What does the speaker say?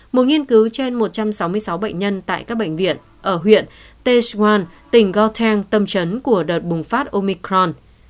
một nghiên cứu trên một trăm sáu mươi sáu bệnh nhân tại các bệnh viện ở huyện teswan tỉnh gothang tâm trấn của đợt bùng phát omicron